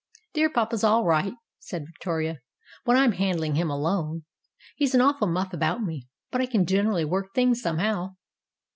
"Dear papa's all right," said Victoria, "when I'm handling him alone. He's an awful muff about me, but I can generally work things somehow."